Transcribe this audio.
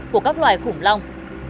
của các loài khủng long